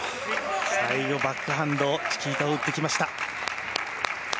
最後バックハンドチキータを打ってきました。